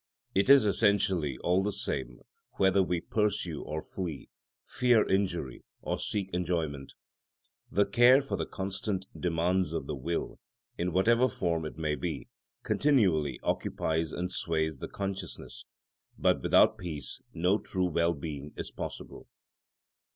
It is essentially all the same whether we pursue or flee, fear injury or seek enjoyment; the care for the constant demands of the will, in whatever form it may be, continually occupies and sways the consciousness; but without peace no true well being is possible.